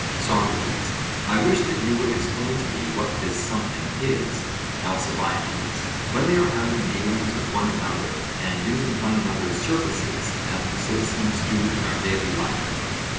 SOCRATES: I wish that you would explain to me what this something is. ALCIBIADES: When they are having dealings with one another, and using one another's services, as we citizens do in our daily life.